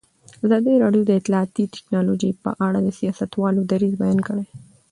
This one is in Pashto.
ازادي راډیو د اطلاعاتی تکنالوژي په اړه د سیاستوالو دریځ بیان کړی.